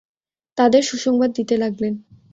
তাঁদের সুসংবাদ দিতে লাগলেন।